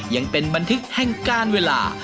ยังเป็นบันทึกแห่งการเวลา